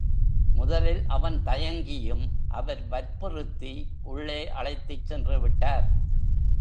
முதலில் அவன் தயங்கியும் அவர் வற்புறுத்தி உள்ளே அழைத்துச் சென்றுவிட்டார்.